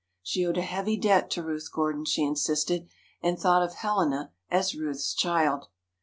She owed a heavy debt to Ruth Gordon, she insisted, and thought of Helena as "Ruth's child."